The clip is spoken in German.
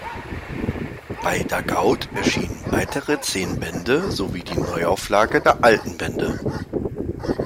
Bei Dargaud erschienen weitere zehn Bände sowie die Neuauflage der alten Bände.